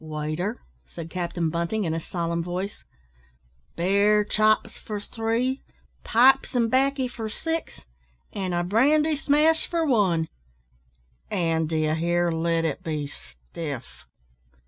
"Waiter," said Captain Bunting, in a solemn voice, "bear chops for three, pipes and baccy for six, an' a brandy smash for one; an', d'ye hear, let it be stiff!"